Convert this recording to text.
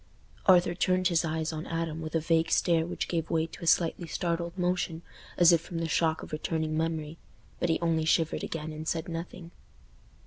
Arthur turned his eyes on Adam with a vague stare which gave way to a slightly startled motion as if from the shock of returning memory. But he only shivered again and said nothing.